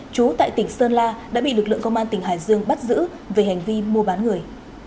chú tại tỉnh sơn la đã bị lực lượng công an tỉnh hải dương bắt giữ về hành vi mua bán người